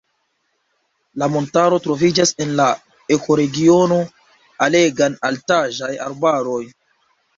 La montaro troviĝas en la ekoregiono alegan-altaĵaj arbaroj.